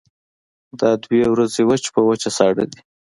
دا دوه ورځې وچ په وچه ساړه دي.